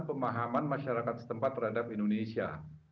pemahaman masyarakat setempat terhadap indonesia